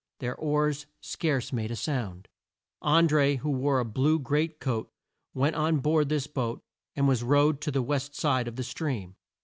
Their oars scarce made a sound. An dré, who wore a blue great coat, went on board this boat and was rowed to the west side of the stream.